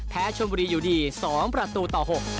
ชนบุรีอยู่ดี๒ประตูต่อ๖